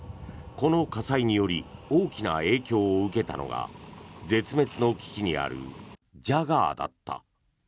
この火災により大きな影響を受けたのが絶滅の危機にあるジャガーだった。